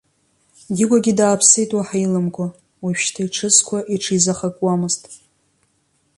Дигәагьы дааԥсеит уаҳа иламкәа, уажәшьҭа иҽызқәа иҽизахакуамызт.